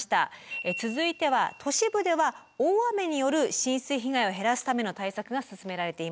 続いては都市部では大雨による浸水被害を減らすための対策が進められています。